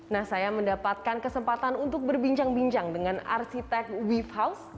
nah saya mendapatkan kesempatan untuk berbincang bincang dengan arsitek wave house